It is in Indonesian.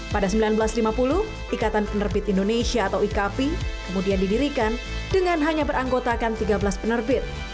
pada seribu sembilan ratus lima puluh ikatan penerbit indonesia atau ikp kemudian didirikan dengan hanya beranggotakan tiga belas penerbit